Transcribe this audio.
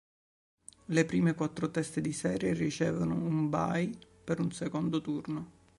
Le prime quattro teste di serie ricevono un bye per il secondo turno